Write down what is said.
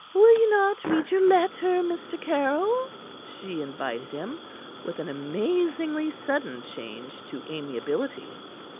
"Will you not read your letter, Mr. Caryll?" she invited him, with an amazingly sudden change to amiability.